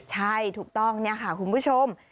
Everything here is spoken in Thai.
ใช่ถูกต้องคุณผู้ชม